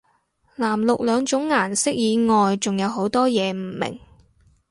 藍綠兩種顏色以外仲有好多嘢唔明